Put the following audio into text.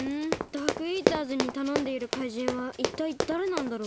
ダークイーターズにたのんでいる怪人はいったいだれなんだろう。